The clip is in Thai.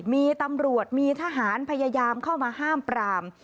มีตำรวจมีทหารพยายามเข้ามาห้ามปราม